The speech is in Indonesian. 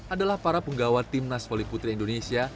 adalah para penggawa timnas poliputri indonesia